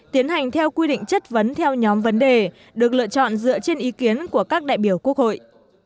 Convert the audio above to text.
tiến hành theo quy định chất vấn theo nhóm vấn đề được lựa chọn dựa trên ý kiến của các đại biểu quốc hội